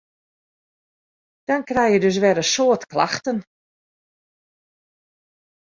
Dan krije je dus wer in soad klachten.